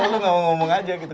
lo gak mau ngomong aja gitu